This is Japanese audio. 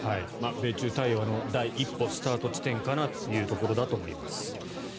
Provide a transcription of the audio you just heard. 米中対話の第一歩スタート地点かなというところだと思います。